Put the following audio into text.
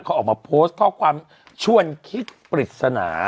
เขาออกมาโพสต์ข้อความชวนคิดปริศนา